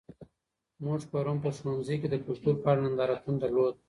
موږ پرون په ښوونځي کې د کلتور په اړه نندارتون درلود.